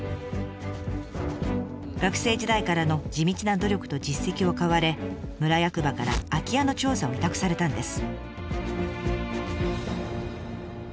学生時代からの地道な努力と実績を買われ村役場から空き家の調査を委託されたんです。